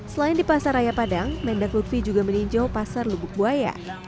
selain di pasar raya padang mendak lutfi juga meninjau pasar lubuk buaya